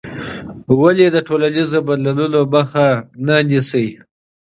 ولې د ټولنیزو بدلونونو مخه مه نیسې؟